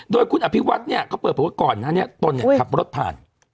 โดยคุณอภิกษ์วัฒน์เนี่ยเค้าเปิดประวัติก่อนอันนี้ตนเนี่ยขับรถผ่าน